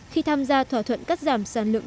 khi tham gia thỏa thuận cắt giảm sản lượng